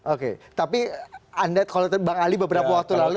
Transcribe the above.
oke tapi anda kalau tadi bang ali beberapa waktu lalu